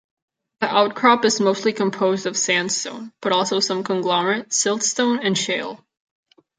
The outcrop is mostly composed of sandstone, but also some conglomerate, siltstone and shale.